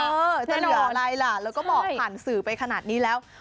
จะเหลืออะไรล่ะแล้วก็บอกผ่านสื่อไปขนาดนี้แล้ว